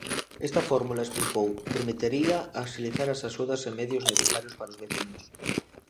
Esta fórmula, explicou, permitiría axilizar as axudas e medios necesarios para os veciños.